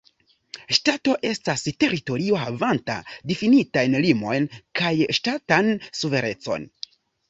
Ŝtato estas teritorio havanta difinitajn limojn kaj ŝtatan suverenecon.